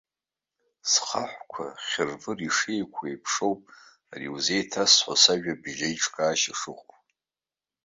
Схаҳәқәа хьыр-выр ишеиқәу еиԥш ауп ари иузеиҭасҳәо сажәабжь аиҿкаашьа шыҟоу.